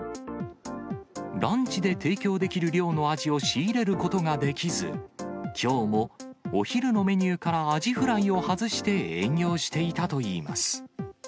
ランチで提供できる量のアジを仕入れることができず、きょうも、お昼のメニューからアジフライを外して営業していたといいます。